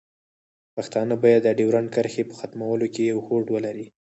پښتانه باید د ډیورنډ کرښې په ختمولو کې یو هوډ ولري.